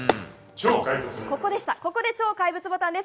ここで超怪物ボタンです。